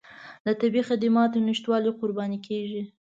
د طبي خدماتو نشتوالي قرباني کېږي.